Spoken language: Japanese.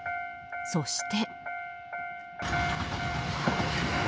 そして。